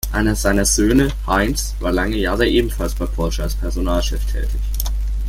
Einer seiner Söhne, Heinz, war lange Jahre ebenfalls bei Porsche als Personalchef tätig.